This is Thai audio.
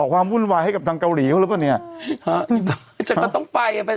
ความวุ่นวายให้กับทางเกาหลีเขาแล้วตอนเนี้ยฮะจะก็ต้องไป